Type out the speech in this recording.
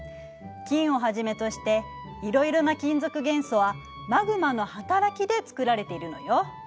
金をはじめとしていろいろな金属元素はマグマの働きで作られているのよ。